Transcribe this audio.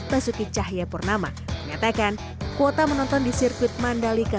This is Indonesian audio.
basuki cahayapurnama menyatakan kuota menonton di sirkuit mandalika